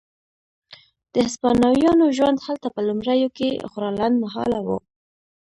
د هسپانویانو ژوند هلته په لومړیو کې خورا لنډ مهاله و.